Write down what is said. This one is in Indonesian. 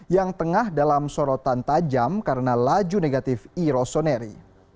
yang tengah dalam sorotan tajam karena laju negatif irosoneri